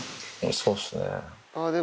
そうっすね。